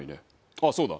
ああそうだ。